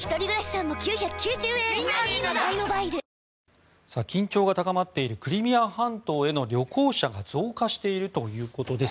わかるぞ緊張が高まっているクリミア半島への旅行者が増加しているということです。